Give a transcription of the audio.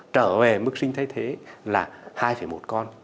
trở về mức sinh thay thế là hai một con